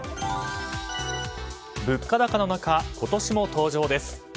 物価高の中、今年も登場です。